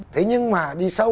thế nhưng mà đi sâu